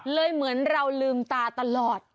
เหมือนเราลืมตาตลอด